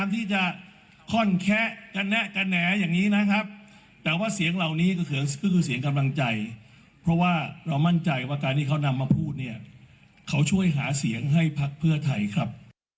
ตอนนี้ก็คือเสียงกำลังใจเพราะว่าเรามั่นใจว่าการที่เขานำมาพูดเขาช่วยหาเสียงให้ภักดิ์เพื่อไทยครับ